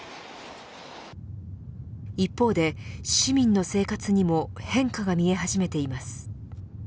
一方で、市民の生活にも変化が見え始めています。